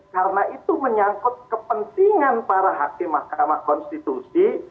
karena itu menyangkut kepentingan para hakim mahkamah konstitusi